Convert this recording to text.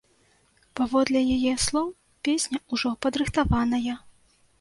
Паводле яе слоў, песня ўжо падрыхтаваная.